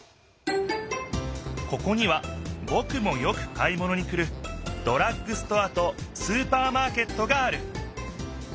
ここにはぼくもよく買いものに来るドラッグストアとスーパーマーケットがある。